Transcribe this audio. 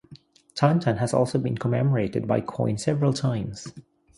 Tintin has also been commemorated by coin several times.